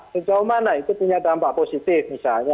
sejauh mana itu punya dampak positif misalnya